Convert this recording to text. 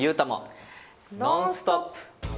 「ノンストップ！」。